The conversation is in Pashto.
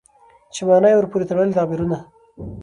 چې مانا يې ورپورې تړلي تعبيرونه